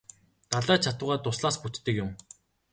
Далай ч атугай дуслаас бүтдэг юм.